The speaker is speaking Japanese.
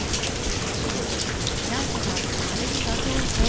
仮死状態です。